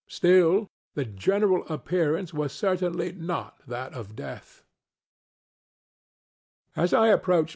Still, the general appearance was certainly not that of death. As I approached M.